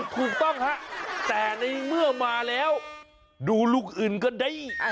ถูกต้องฮะแต่ในเมื่อมาแล้วดูลูกอื่นก็ได้